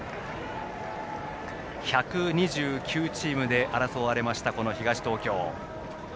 １２９チームで争われましたこの東東京。